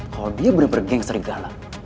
kalo dia bener bener geng serigala